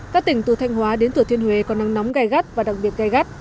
các tỉnh từ thanh hóa đến thừa thiên huế có nắng nóng gai gắt và đặc biệt gai gắt